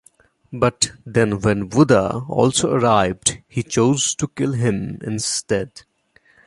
But then when Buddha also arrived, he chose to kill him instead.